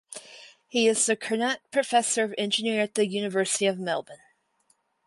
He is the Kernot Professor of Engineering at the University of Melbourne.